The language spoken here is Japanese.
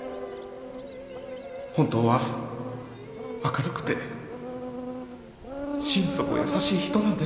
本当は明るくて心底優しい人なんです。